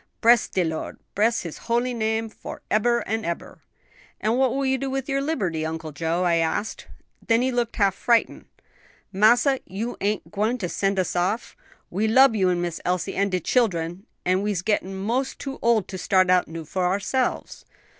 Bress de Lord! Bress His holy name foreber an' eber.' "'And what will you do with your liberty, Uncle Joe?' I asked; then he looked half frightened. 'Massa, you ain't gwine to send us off? we lub you an' Miss Elsie an' de chillen, an' we's gettin' mos' too ole to start out new for ourselves.'"